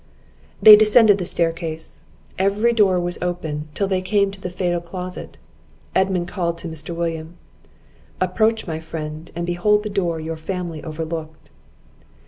They descended the staircase; every door was open, till they came to the fatal closet. Edmund called to Mr. William: "Approach, my friend, and behold the door your family overlooked!"